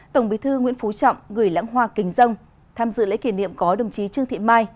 tổng bí thư nguyễn phú trọng gửi lãng hoa kinh dông tham dự lễ kỷ niệm có đồng chí trương thị mai